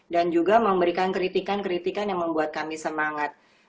dan juga memberikan kritikan kritikan yang membuat kami semangat